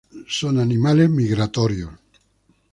Son animales migratorios.